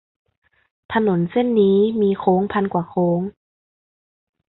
ถนนเส้นนี้มีโค้งพันกว่าโค้ง